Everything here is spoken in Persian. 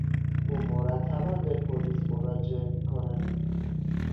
او مرتبا به پلیس مراجعه میکند.